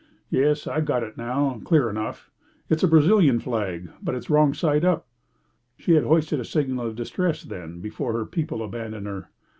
Yes, I've got it now, clear enough. It's the Brazilian flag, but it's wrong side up." She had hoisted a signal of distress, then, before her people had abandoned her.